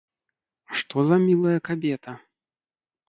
Што за мілая кабета?!.